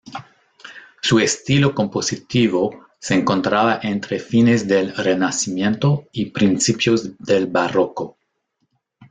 Su estilo compositivo se encontraba entre fines del Renacimiento y principios del Barroco.